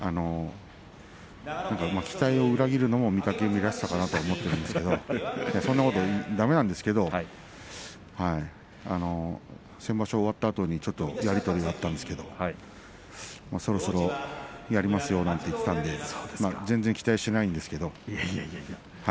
期待を裏切るのも御嶽海らしさかなと思っているんですけれどそんなことだめなんですけれど先場所終わったあとにちょっとやり取りがあったんですけれどそろそろやりますよなんて言っていたので全然期待していないんですけれど。